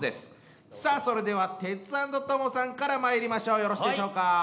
さあそれではテツａｎｄトモさんからまいりましょうよろしいでしょうか。